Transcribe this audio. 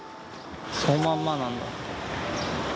そのまんまなんだ。